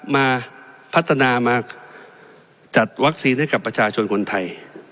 มาพัฒนามาจัดวัคซีนให้กับประชาชนคนไทย